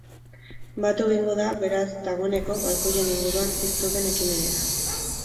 Batu egingo da, beraz, dagoneko balkoien inguruan piztu den ekimenera.